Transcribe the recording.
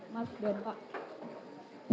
mas dan pak